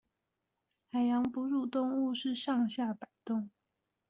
海洋哺乳動物是上下擺動